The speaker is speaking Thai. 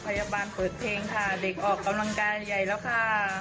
พยาบาลเปิดเพลงค่ะเด็กออกกำลังกายใหญ่แล้วค่ะ